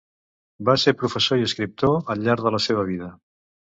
Va ser professor i escriptor al llarg de la seva vida.